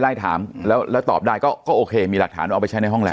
ถามแล้วแล้วตอบได้ก็โอเคมีหลักฐานเอาไปใช้ในห้องแล้ว